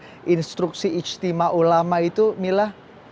atau ada instruksi ijtima ulama itu mila